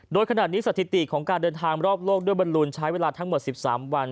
โดยขนาดนี้สถิติของการเดินทางรอบโลกด้วยบรรลูนใช้เวลาทั้งหมด๑๓วัน